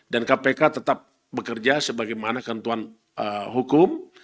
dan kpk tetap bekerja sebagaimana kentuan hukum